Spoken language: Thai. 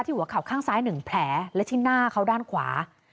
ที่หัวขับข้างซ้ายหนึ่งแผลและที่หน้าเขาด้านขวา